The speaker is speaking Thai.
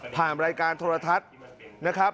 รายการโทรทัศน์นะครับ